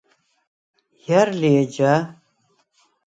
ჲა̈რ ლი ეჯა?